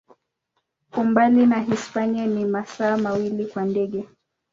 Umbali na Hispania ni masaa mawili kwa ndege.